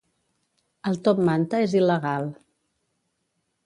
El top manta és il·legal